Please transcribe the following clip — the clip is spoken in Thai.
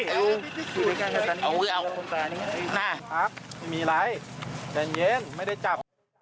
ดีมีไหลแจ้งไม่ได้จับ